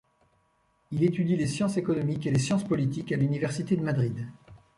Il étudie les sciences économiques et les sciences politiques à l'université de Madrid.